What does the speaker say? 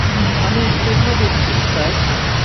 আমি ইস্তফা দিচ্ছি, স্যার।